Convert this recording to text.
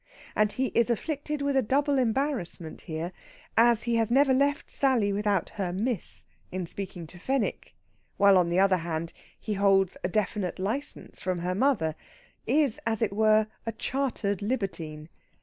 And he is afflicted with a double embarrassment here, as he has never left Sally without her "miss" in speaking to Fenwick, while, on the other hand, he holds a definite licence from her mother is, as it were, a chartered libertine.